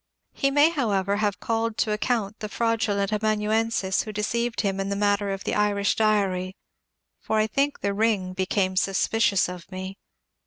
He may, however, have called to account the fraudulent amanuensis who deceived him in the matter of the ' Irish Diary," for I think the *^ring" became suspicious of me.